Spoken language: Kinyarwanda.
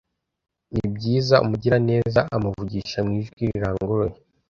nibyiza umugiraneza amuvugisha mu ijwi riranguruye